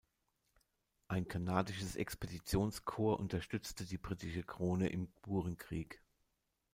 Ein kanadisches Expeditionskorps unterstützte die britische Krone im Burenkrieg.